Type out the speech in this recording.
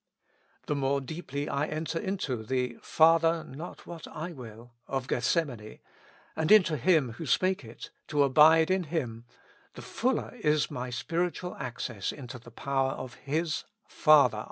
The more deeply I enter into the " Father ! not what I WILL " of Gethsemane, and into Him who spake it, to abide in Him, the fuller is my spiritual access into the power of His " Father